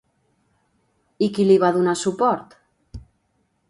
I qui li va donar suport?